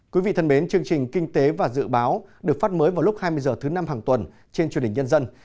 quý vị thân mến chương trình kinh tế và dự báo được phát mới vào lúc hai mươi h thứ năm hàng tuần trên truyền hình nhân dân